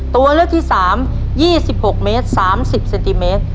ตัวเลือกที่๓๒๖เมตร๓๐เซนติเมตร